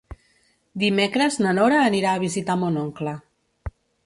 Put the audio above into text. Dimecres na Nora anirà a visitar mon oncle.